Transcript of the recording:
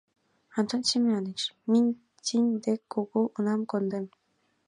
Онтон Семёныч, минь тинь дек кугу унам кондем.